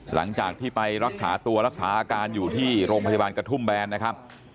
หลังจากที่ไปรักษาตัวรักษาอาการอยู่ที่โรงพยาบาลกระทุ่มแบนนะครับ